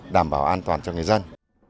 đảm bảo an toàn cho người dân